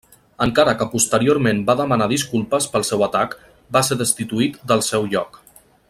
Encara que posteriorment va demanar disculpes pel seu atac, va ser destituït del seu lloc.